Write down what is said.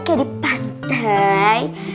kayak di pantai